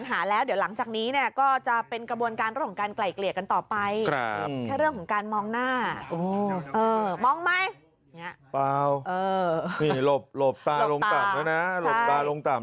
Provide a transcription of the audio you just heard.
หลังจากออกจากโรงพักไปปุ๊บจะไม่มีมองหน้า